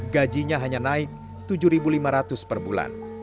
gajinya hanya naik rp tujuh lima ratus per bulan